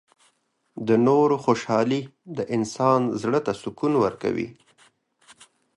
• د نورو خوشحالي د انسان زړۀ ته سکون ورکوي.